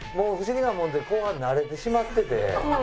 不思議なもんで後半慣れてしまってて。